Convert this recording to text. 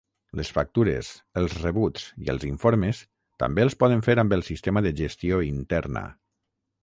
Les factures, els rebuts i els informes també els poden fer amb el sistema de gestió interna.